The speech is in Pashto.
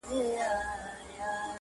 دا بې ذوقه بې هنره محفلونه زموږ نه دي,